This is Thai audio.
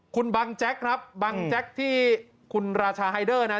คุณบังแจ๊กครับบังแจ๊กที่คุณราชาไฮเดอร์นะ